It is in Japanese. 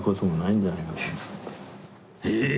ええ？